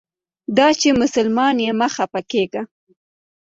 دا چې مسلمان یې مه خپه کیږه.